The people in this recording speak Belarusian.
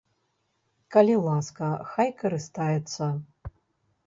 Калі ласка, хай карыстаецца!